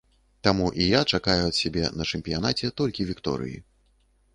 Таму і я чакаю ад сябе на чэмпіянаце толькі вікторыі.